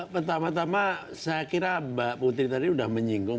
pertama tama saya kira mbak putri tadi sudah menyinggung